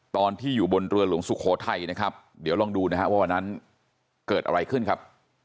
ตอนที่อยู่บนเรือหลวงสุโขทัยนะครับเดี๋ยวลองดูนะฮะว่าวันนั้นเกิดอะไรขึ้นครับ